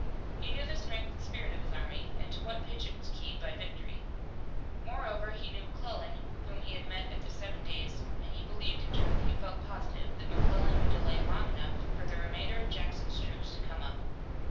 He knew the strength and spirit of his army and to what a pitch it was keyed by victory. Moreover, he knew McClellan, whom he had met at the Seven Days, and he believed, in truth he felt positive that McClellan would delay long enough for the remainder of Jackson's troops to come up.